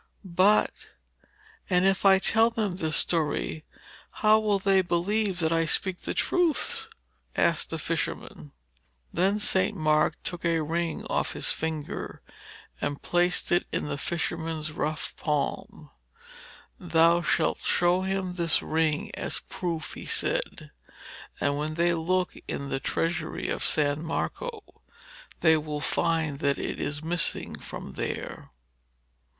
'But, and if I tell them this story, how will they believe that I speak the truth?' asked the fisherman. Then St. Mark took a ring off his finger, and placed it in the fisherman's rough palm. 'Thou shalt show them this ring as a proof,' he said; 'and when they look in the treasury of San Marco, they will find that it is missing from there.'